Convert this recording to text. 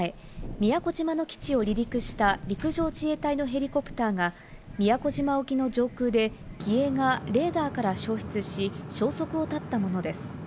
宮古島の基地を離陸した陸上自衛隊のヘリコプターが宮古島沖の上空で、機影がレーダーから消失し、消息を絶ったものです。